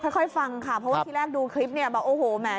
ค่อยฟังค่ะเพราะว่าที่แรกดูคลิปบอกว่าโอ้โฮแหม